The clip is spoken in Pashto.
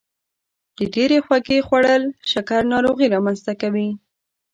د ډیرې خوږې خوړل شکر ناروغي رامنځته کوي.